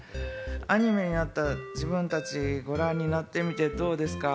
アニメになった自分たち、ご覧になってみて、どうですか？